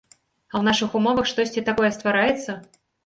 А ў нашых умовах штосьці такое ствараецца?